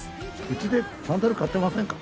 うちでサンダル買ってませんか？